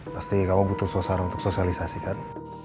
pasti kamu butuh suasana untuk sosialisasi kan